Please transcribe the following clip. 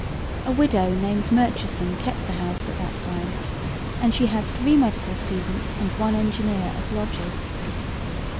A widow named Murchison kept the house at that time, and she had three medical students and one engineer as lodgers.